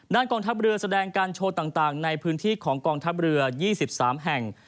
กองทัพเรือแสดงการโชว์ต่างในพื้นที่ของกองทัพเรือ๒๓แห่ง